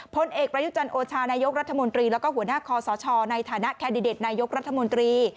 พลเอกประยุจันทร์โอชานายกรัฐมนตรีแล้วก็หัวหน้าคอสชในฐานะแคนดิเดตนายกรัฐมนตรี